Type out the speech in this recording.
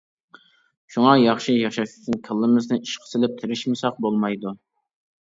شۇڭا ياخشى ياشاش ئۈچۈن كاللىمىزنى ئىشقا سېلىپ، تىرىشمىساق بولمايدۇ.